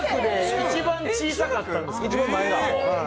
一番小さかったんです。